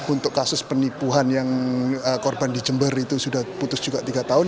untuk kasus penipuan yang korban di jember itu sudah putus juga tiga tahun